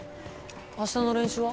明日の練習は？